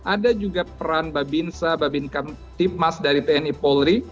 ada juga peran babinsa babinkan tipmas dari tni polri